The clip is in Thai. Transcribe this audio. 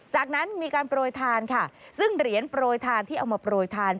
จากนั้นมีการโปรยทานค่ะซึ่งเหรียญโปรยทานที่เอามาโปรยทาน